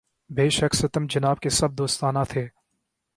بے شک ستم جناب کے سب دوستانہ تھے